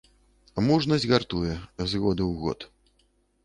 Мужнасць гартуе, з году ў год.